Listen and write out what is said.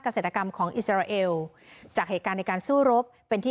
เกษตรกรรมของอิสราเอลจากเหตุการณ์ในการสู้รบเป็นที่